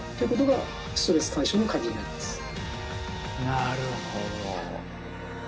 なるほど。